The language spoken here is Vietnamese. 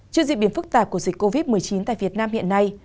trước diễn biến phức tạp của dịch covid một mươi chín tại việt nam hiện nay